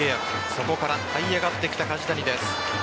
そこからはい上がってきた梶谷です。